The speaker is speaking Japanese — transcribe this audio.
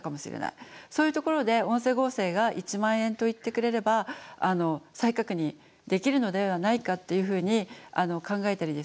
そういうところで音声合成が「１万円」と言ってくれれば再確認できるのではないかっていうふうに考えたりですね